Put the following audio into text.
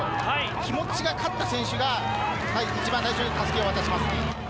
気持ちが勝った選手が一番最初に襷を渡します。